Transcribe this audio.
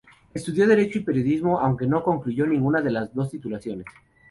Estudió Derecho y Periodismo, aunque no concluyó ninguna de las dos titulaciones.